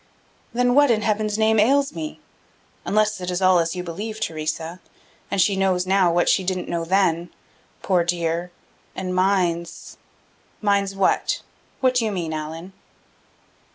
Then what in Heaven's name ails me? unless it is all as you believe, Theresa, and she knows now what she didn't know then, poor dear, and minds " "Minds what? What do you mean, Allan?"